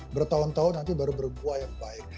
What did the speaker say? bertahun tahun nanti baru berbuah yang baik